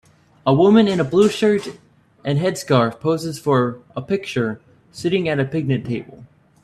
A woman in a blue shirt and headscarf poses for a picture sitting at a picnic table.